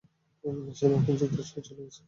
এবং সে মার্কিন যুক্তরাষ্ট্রে চলে গেছে।